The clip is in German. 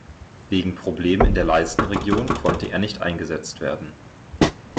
Wegen Problemen in der Leistenregion konnte er nicht eingesetzt werden.